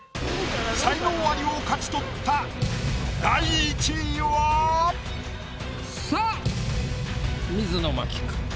才能アリを勝ち取った第１位は⁉さあ水野真紀か？